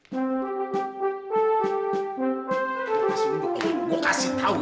masih mending gua kasih tau ya be